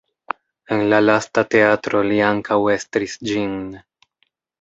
En la lasta teatro li ankaŭ estris ĝin.